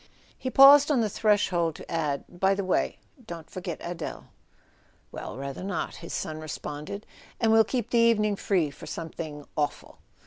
He paused on the threshold to add: "By the way, don't forget Adele." "Well, rather not," his son responded. "And we'll keep the evening free for something awful."